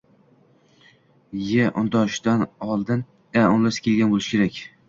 Y undoshidan oldin i unlisi kelgan boʻlishi kerak